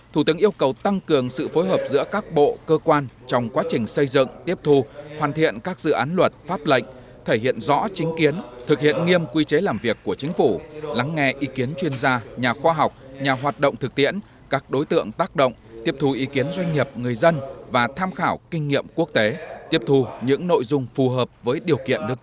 thủ tướng yêu cầu tăng cường sự phối hợp giữa các bộ cơ quan trong quá trình xây dựng tiếp thu hoàn thiện các dự án luật pháp lệnh thể hiện rõ chính kiến thực hiện nghiêm quy chế làm việc của chính phủ lắng nghe ý kiến chuyên gia nhà khoa học nhà hoạt động thực tiễn các đối tượng tác động tiếp thu ý kiến doanh nghiệp người dân và tham khảo kinh nghiệm quốc tế tiếp thu những nội dung phù hợp với điều kiện nước ta